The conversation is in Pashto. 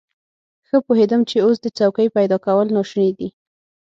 ښه پوهېدم چې اوس د څوکۍ پيدا کول ناشوني دي.